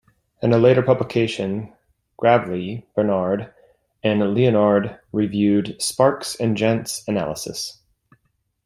In a later publication, Gravlee, Bernard and Leonard reviewed Sparks' and Jantz' analysis.